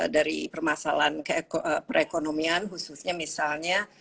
dari permasalahan perekonomian khususnya misalnya